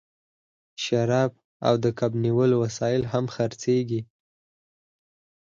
شراب او د کب نیولو وسایل هم خرڅیږي